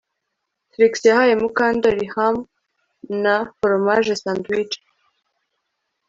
Trix yahaye Mukandoli ham na foromaje sandwich